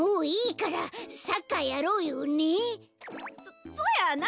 そそやな！